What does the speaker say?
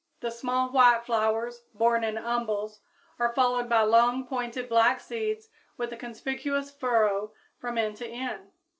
The small white flowers, borne in umbels, are followed by long, pointed, black seeds with a conspicuous furrow from end to end.